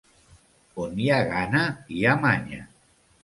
On hi ha gana, hi ha manya.